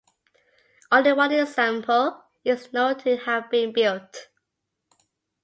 Only one example is known to have been built.